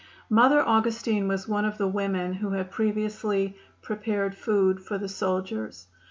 Mother Augustine was one of the women who had previously prepared food for the soldiers.